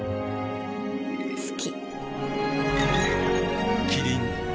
好き。